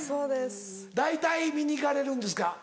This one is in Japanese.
大体見に行かれるんですか？